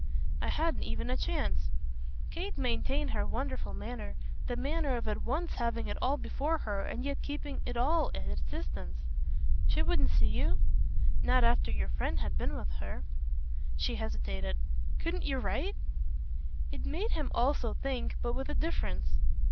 "I hadn't even a chance." Kate maintained her wonderful manner, the manner of at once having it all before her and yet keeping it all at its distance. "She wouldn't see you?" "Not after your friend had been with her." She hesitated. "Couldn't you write?" It made him also think, but with a difference.